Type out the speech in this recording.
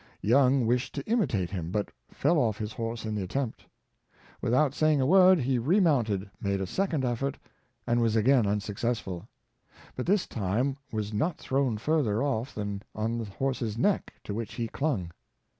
Young wished to imitate him, but fell off his horse in the attempt. Without saying a word he remounted, made a second effort, and was again unsuccessful, but this time was not thrown further off* than on to the horse's neck, to which he clung.